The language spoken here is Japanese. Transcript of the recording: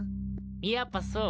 やっぱそう？